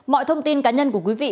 mọi thông tin cá nhân của quý vị